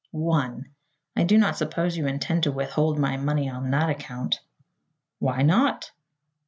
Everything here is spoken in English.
"One. I do not suppose you intend to withhold my money on that account." "Why not?"